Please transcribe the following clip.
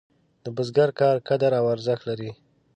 د بزګر کار قدر او ارزښت لري.